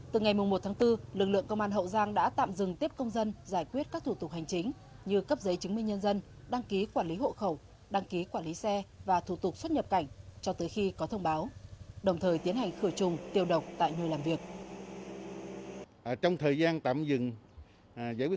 từ ngày một tháng bốn lực lượng công an hậu giang đã tạm dừng tiếp công dân giải quyết các thủ tục hành chính như cấp giấy chứng minh nhân dân đăng ký quản lý hộ khẩu đăng ký quản lý xe và thủ tục xuất nhập cảnh cho tới khi có thông báo đồng thời tiến hành khử trùng tiêu độc tại nơi làm việc